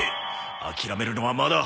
諦めるのはまだ早い！